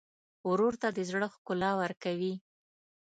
ورور ته د زړه ښکلا ورکوې.